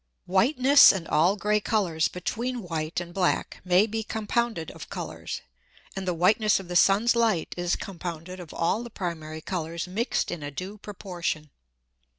_Whiteness and all grey Colours between white and black, may be compounded of Colours, and the whiteness of the Sun's Light is compounded of all the primary Colours mix'd in a due Proportion.